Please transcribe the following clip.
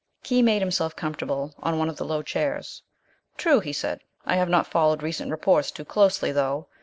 Khee made himself comfortable on one of the low chairs. "True," he said. "I have not followed recent reports too closely, though.